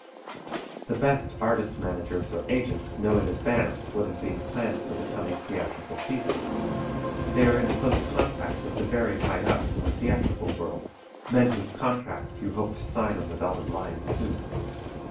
The best artist managers or agents know in advance what is being planned for the coming theatrical season. They are in close contact with the very high ups in the theatrical world, men whose contracts you hope to sign on the dotted line soon.